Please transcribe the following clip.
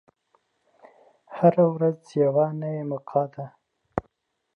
هره ورځ یوه نوی موقع ده.